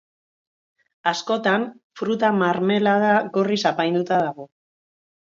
Askotan, fruta-marmelada gorriz apainduta dago.